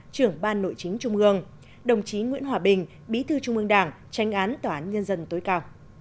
trưởng ban nội chính trung ương đồng chí nguyễn hòa bình bí thư trung ương đảng tranh án tòa án nhân dân tối cao